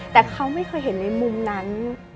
แต่เขาไม่เคยเห็นในมุมนั้น